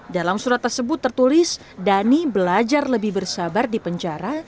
dalam surat tersebut tertulis dhani belajar lebih bersabar di penjara